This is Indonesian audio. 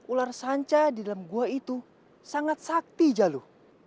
ular sanca di dalam gua itu sangat sakti jalu